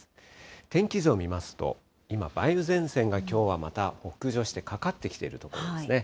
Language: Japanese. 天気図を見ますと、今、梅雨前線がきょうはまた北上して、かかってきているところですね。